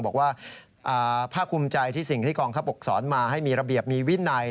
บอกว่าภาคภูมิใจที่สิ่งที่กองทัพบกสอนมาให้มีระเบียบมีวินัย